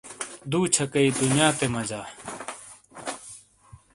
دُو چھکئیی دنیاتے مجا۔